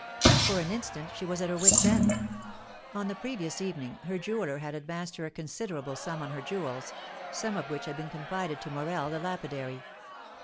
For an instant she was at her wits' end. On the previous evening, her jeweller had advanced her a considerable sum on her jewels, some of which had been confided to Morel, the lapidary.